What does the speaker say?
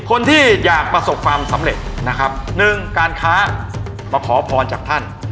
คนที่อยากประสบความสำเร็จนะครับหนึ่งการค้ามาขอพรจากท่าน